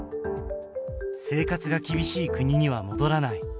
生活が厳しい国には戻らない。